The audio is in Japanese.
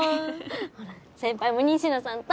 ほら先輩も仁科さんと。